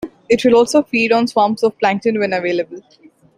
It will also feed on swarms of plankton when available.